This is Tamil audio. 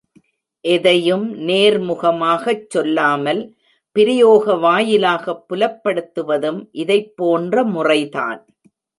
எதையும் நேர்முகமாகச் சொல்லாமல் பிரயோக வாயிலாகப் புலப்படுத் துவதும் இதைப் போன்ற முறைதான்.